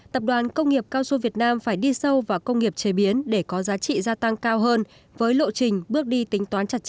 tập đoàn công nghiệp cao su việt nam phải đi sâu vào công nghiệp chế biến để có giá trị gia tăng cao hơn với lộ trình bước đi tính toán chặt chẽ